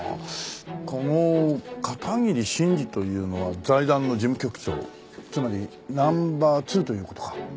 この片桐真司というのは財団の事務局長つまりナンバー２という事か。